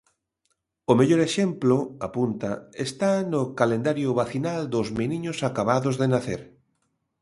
O mellor exemplo, apunta, está no calendario vacinal dos meniños acabados de nacer.